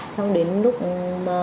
không có viết sách